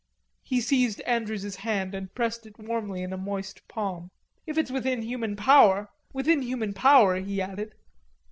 He seized Andrews's hand and pressed it warmly in a moist palm. "If it's within human power, within human power," he added.